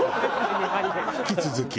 引き続き。